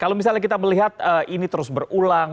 kalau misalnya kita melihat ini terus berulang